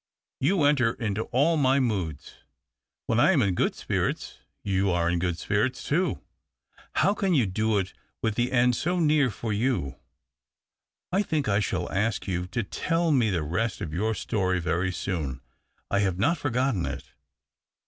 " You enter into all my moods. When I am in good spirits, you are in good spirits too. How can you do it with the end so near for you ? I think I shall ask you to tell me the rest of your story very soon. I have not forgotten it."